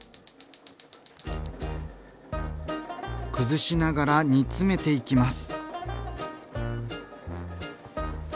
崩しながら煮詰めていきます。